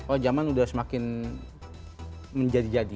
oh zaman udah semakin menjadi jadi